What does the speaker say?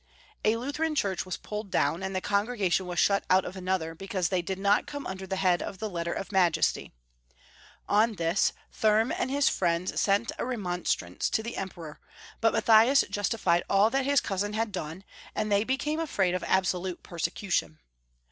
A Lutheran church was pulled down, and the congre gation was shut out of another because they did not come under the head of the Letter of Majesty. On this, Thurm and his friends sent a remonstrance Matthias. 825 to the Emperor, but Matthias justified all that his cousin had done, and they became afraid of abso lute persecution.